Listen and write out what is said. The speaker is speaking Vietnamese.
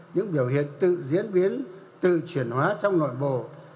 những biểu hiện tự diễn biến tự chuyển hóa trong nội bộ